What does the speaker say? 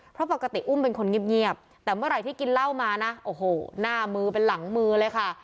เพราะปกติอุ้มเป็นคนเงียบแต่เมื่อไหร่ที่กินเหล้ามานะโอ้โหหน้ามือเป็นหลังมือเลยค่ะ